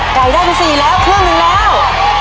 ไก่ด้านสี่แล้วเครื่องหนึ่งแล้ว